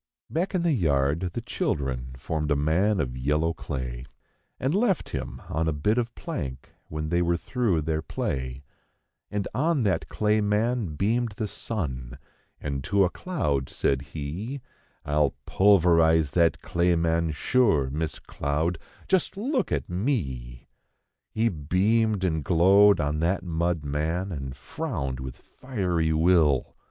:V 1 = I the yard the children rmed a man of yellow im on a bit of ank when they were through their play; y And on that clay man beamed the sun, and to a cloud said he: , "I'll pulverize that day¬ man sure, Miss Cloud; just look at me.' He beamed and glowed on that mud man and frowned with fiery will.